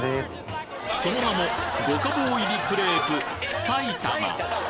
その名も五家宝入りクレープ「埼玉」